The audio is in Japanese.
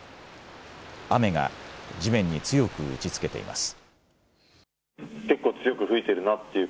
雨が地面に強く打ちつけています。